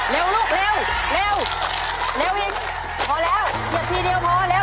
เร็วลูกเร็วเร็วอีกพอแล้วเหยียดทีเดียวพอเร็ว